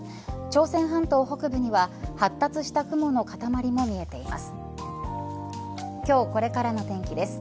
朝鮮半島北部には発達した雲の塊も見えています。